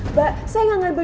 mbak saya gak ambil dompet